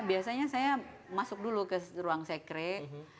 biasanya saya masuk dulu ke ruang sekret